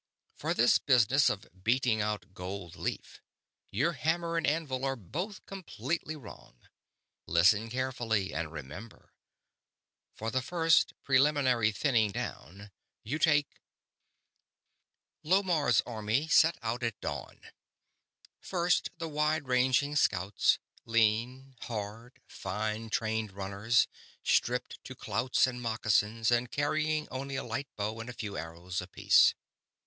"For this business of beating out gold leaf, your hammer and anvil are both completely wrong. Listen carefully and remember. For the first, preliminary thinning down, you take ..."[A] Lomarr's army set out at dawn. First the wide ranging scouts: lean, hard, fine trained runners, stripped to clouts and moccasins and carrying only a light bow and a few arrows apiece.